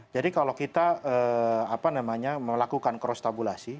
jadi kalau kita melakukan cross tabulasi